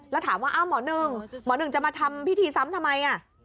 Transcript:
แล้วถามว่าหมอหนึ่งหมอหนึ่งจะมาทำพิธีซ้ำทำไม